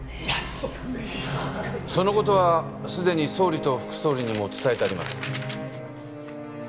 そのことはすでに総理と副総理にも伝えてあります